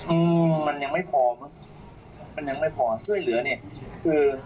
อืมมันยังไม่พอมั้งมันยังไม่พอช่วยเหลือเนี้ยคือ